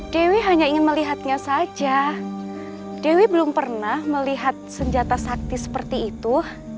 dewi hanya ingin melihatnya saja dewi belum pernah melihat senjata sakti seperti itu